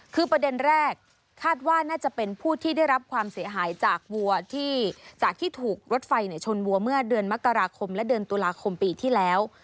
คือประเด็นแรกคาดว่าน่าจะเป็นผู้ที่ได้รับความเสียหายจากวัวที่จากที่ถูกรถไฟชนวัวเมื่อเดือนมกราคมและเดือนตุลาคมปีที่แล้ว